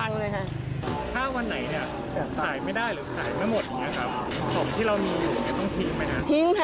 น้ำเบียบ